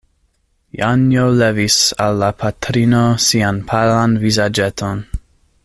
Janjo levis al la patrino sian palan vizaĝeton.